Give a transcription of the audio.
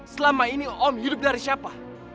selama ini om hidup dari siapa